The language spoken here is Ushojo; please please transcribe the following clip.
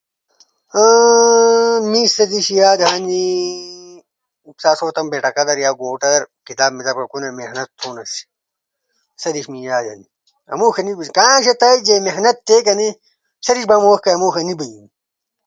می سا دیس یاد ہنی سا آسو تمو بیٹکا در یا گوٹا در کتاب میتاب ݜکونا یا محنت تھوناسی سا دیس می یاد ہنی۔ اموݜا نی بیلسی، کامیک شیئی تھئی محنت تھے کنئی سادیس با منوݜ تا اموݜا نی بیلی۔